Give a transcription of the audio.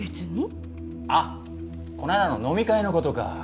あっこの間の飲み会の事か。